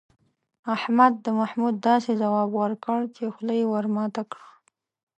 احمد د محمود داسې ځواب وکړ، چې خوله یې ور ماته کړه.